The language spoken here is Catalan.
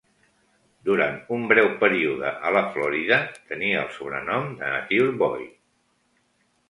Durant un breu període a la Florida, tenia el sobrenom de Nature Boy.